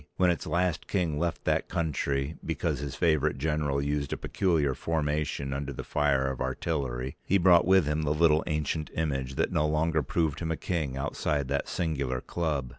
When its last king left that country, because his favorite general used a peculiar formation under the fire of artillery, he brought with him the little ancient image that no longer proved him a king outside that singular club.